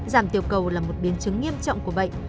giảm tiểu cầu là một biến chứng nghiêm trọng của bệnh